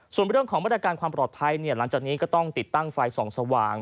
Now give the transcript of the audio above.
ส่วนเรื่องของมาตรการความปลอดภัยหลังจากนี้ก็ต้องติดตั้งไฟส่องสว่าง